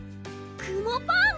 くもパン⁉